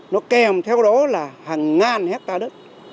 nó kèm theo đó là hàng ngàn hectare đất